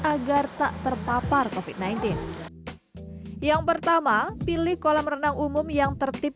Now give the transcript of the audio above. agar tak terpapar kofit sembilan belas yang pertama pilih kolam renang umum yang tertip